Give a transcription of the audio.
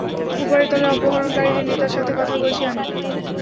উপরের তলার অপহরণকারীদের নেতার সাথে কথা বলছি আমি।